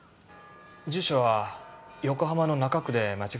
住所は横浜の中区で間違いないですね？